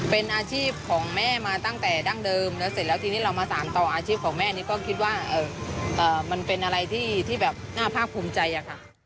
เป็นอาชีพของแม่มาตั้งแต่ดั้งเดิมแล้วเสร็จแล้วทีนี้เรามาสารต่ออาชีพของแม่นี่ก็คิดว่ามันเป็นอะไรที่แบบน่าภาคภูมิใจอะค่ะ